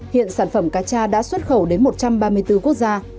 hiện sản phẩm cá cha đã xuất khẩu đến một trăm ba mươi bốn quốc gia